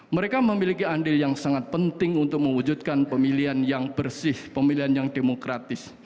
mereka memiliki andil yang sangat penting untuk mewujudkan pemilihan yang bersih pemilihan yang demokratis